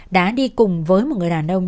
đã đi cùng với một người đàn ông